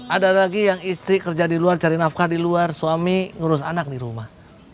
ada lagi yang istri kerja di luar cari nafkah di luar suami ngurus anak di rumah